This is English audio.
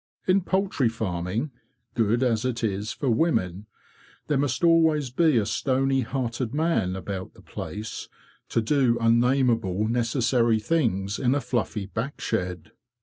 In poultry farming, good as it is for women, there must always be a stony hearted man about the place to do unnameable necessary things in a fluffy back shed.